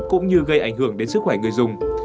cũng như gây ảnh hưởng đến sức khỏe người dùng